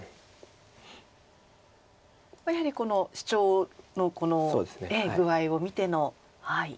やはりこのシチョウのこの具合を見ての。